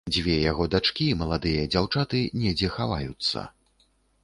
Дзве яго дачкі, маладыя дзяўчаты, недзе хаваюцца.